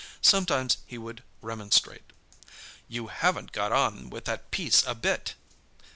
Sometimes he would remonstrate. "You haven't got on with that piece a bit!"